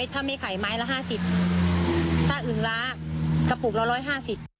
ถ้าไม่ไข่ไม้ละ๕๐ถ้าอึงล้ากระปุกละ๑๕๐